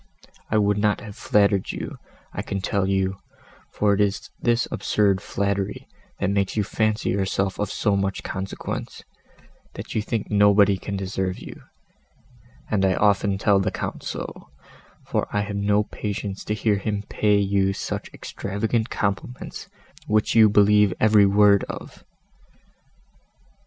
I would not have flattered you, I can tell you, for it is this absurd flattery that makes you fancy yourself of so much consequence, that you think nobody can deserve you, and I often tell the Count so, for I have no patience to hear him pay you such extravagant compliments, which you believe every word of!"